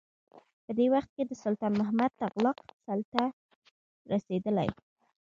په دې وخت کې د سلطان محمد تغلق سلطه رسېدلې.